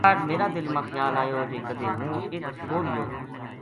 کاہڈ میرا دل ما خیال آیو جے کدے ہوں اِت سو رہیو